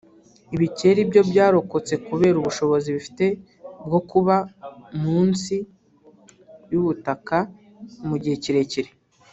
ibikeri byo byarokotse kubera ubushobozi bifite bwo kuba munsi y’ubutaka mu gihe kirekire